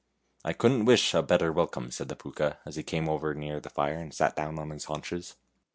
" I couldn't wish a better welcome," said the Pooka, as he came over near the fire and sat down on his haunches.